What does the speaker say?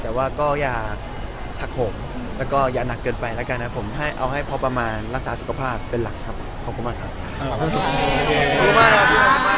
และก็ภาพปภามาณรักษาสุขภาพเป็นหลักครับขอบคุณมากครับ